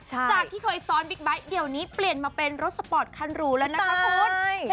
จากที่เคยซ้อนบิ๊กไบท์เดี๋ยวนี้เปลี่ยนมาเป็นรถสปอร์ตคันหรูแล้วนะคะคุณ